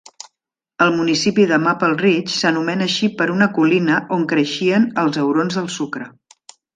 El municipi de Maple Ridge s'anomena així per una colina on creixien els aurons del sucre.